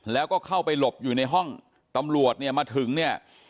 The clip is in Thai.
แล้วก็เข้าไปหลบอยู่ในห้องตำรวจเนี่ยมาถึงเนี่ย